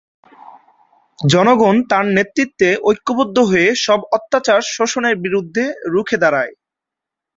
জনগণ তার নেতৃত্বে ঐক্যবদ্ধ হয়ে সব অত্যাচার-শোষণের বিরুদ্ধে রুখে দাঁড়ায়।